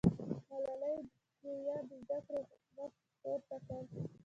ملالۍ جویا د زده کړې غږ پورته کړ.